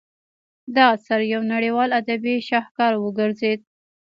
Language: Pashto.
دا اثر یو نړیوال ادبي شاهکار وګرځید.